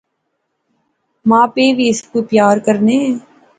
ما پے وی اُس کی پیار کرنے